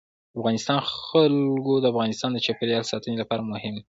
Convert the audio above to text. د افغانستان جلکو د افغانستان د چاپیریال ساتنې لپاره مهم دي.